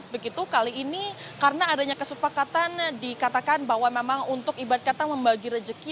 begitu kali ini karena adanya kesepakatan dikatakan bahwa memang untuk ibarat kata membagi rejeki